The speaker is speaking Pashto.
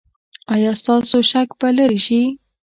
ایا ستاسو شک به لرې شي؟